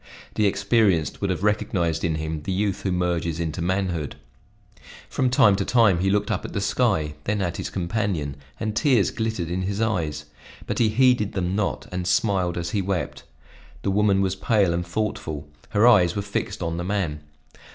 The experienced would have recognized in him the youth who merges into manhood. From time to time he looked up at the sky, then at his companion, and tears glittered in his eyes, but he heeded them not, and smiled as he wept. The woman was pale and thoughtful, her eyes were fixed on the man.